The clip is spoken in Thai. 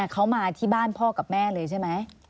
เขามาที่บ้านพ่อกับแม่เลยใช่ไหม